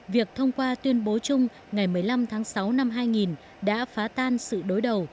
việc thông qua tuyên bố chung ngày một mươi năm tháng sáu năm hai nghìn đã phá tan sự đối đầu